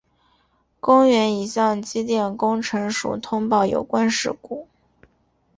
公园已向机电工程署通报有关事故。